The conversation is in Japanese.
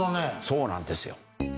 そうなんですよ。